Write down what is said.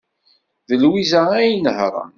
D Lwiza ay inehhṛen.